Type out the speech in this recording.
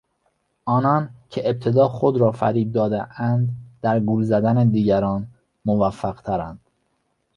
آنان که ابتدا خود را فریب دادهاند در گول زدن دیگران موفق ترند.